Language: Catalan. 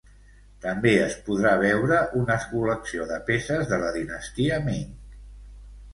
També es podrà veure una col·lecció de peces de la dinastia Ming.